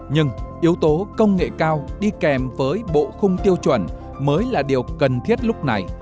nhưng yếu tố công nghệ cao đi kèm với bộ khung tiêu chuẩn mới là điều cần thiết lúc này